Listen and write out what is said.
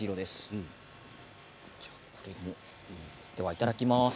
いただきます。